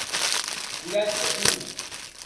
Coratge, Tom!